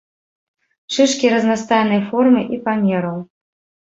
Шышкі разнастайнай формы і памераў.